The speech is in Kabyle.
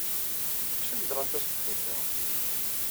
D acu ay yeḍran taṣebḥit-a?